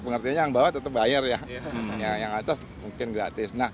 pengertiannya yang bawa tetap bayar yang atas mungkin gratis